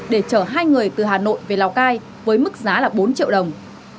để chở hai người từ hà nội về lào cai với mức giá là bốn triệu đồng